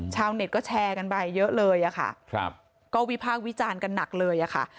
ชาวเน็ตก็แชร์กันไปเยอะเลยอะค่ะก็วิพากษ์วิจารณ์กันหนักเลยอะค่ะ